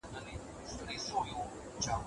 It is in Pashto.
که لټي نه وي نو کار کیږي.